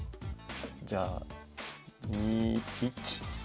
じゃあ２一金。